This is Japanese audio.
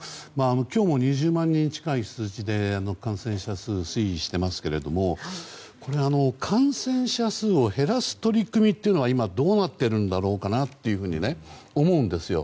今日も２０万人近い数字で感染者数、推移してますけども感染者数を減らす取り組みは今、どうなってるんだろうと思うんですよ。